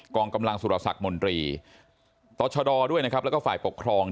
องกำลังสุรสักมนตรีต่อชะดอด้วยนะครับแล้วก็ฝ่ายปกครอง